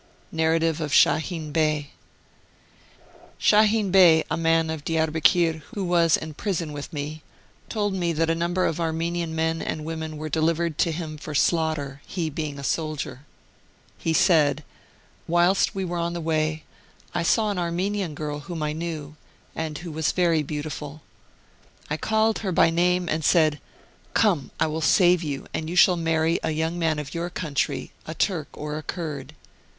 NARRATIVE OF SHAHIN BEY. Shahin Bey, a man of Diarbekir, who was in prison with me, told me that a number of Armenian men and women were delivered to him for slaughter, he, being a soldier. He said : "Whilst we were on the way, I saw an Armenian girl whom I knew, and who wac, very beautiful. I called her by name, and said ' Come, I will save you, and you shall marry a young man of your country, a Turk or a Kurd.'